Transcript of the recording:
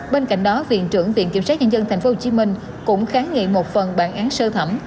bên cạnh đó viện trưởng viện kiểm sát nhân dân tp hcm cũng kháng nghị một phần bản án sơ thẩm